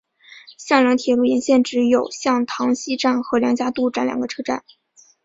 向梁铁路沿线只有向塘西站和梁家渡站两个车站。